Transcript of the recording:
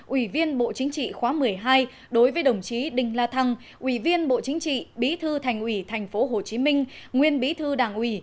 ủy viên bộ chính trị khóa một mươi hai đối với đồng chí đinh la thăng ủy viên bộ chính trị bí thư thành ủy tp hcm nguyên bí thư đảng ủy